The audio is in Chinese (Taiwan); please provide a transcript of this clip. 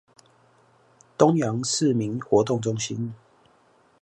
東陽市民活動中心